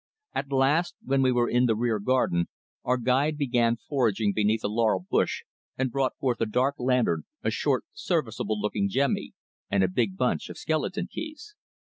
At last, when we were in the rear garden, our guide began foraging beneath a laurel bush and brought forth a dark lantern, a short, serviceable looking jemmy, and a big bunch of skeleton keys.